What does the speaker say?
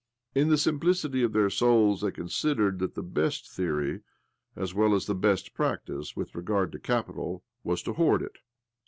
In the simplicity of their souls they con sidered that the best theory, as well as the best practice, with regard to capital was to hoard it.